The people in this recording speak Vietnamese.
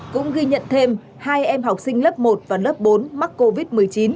cũng ghi nhận thêm hai em học sinh lớp một và lớp bốn mắc covid một mươi chín